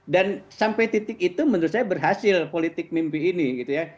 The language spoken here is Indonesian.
dan sampai titik itu menurut saya berhasil politik mimpi ini gitu ya